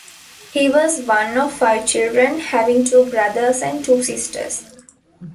He was one of five children, having two brothers and two sisters.